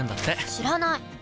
知らない！